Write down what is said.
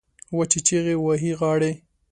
وچې چیغې وهي غاړې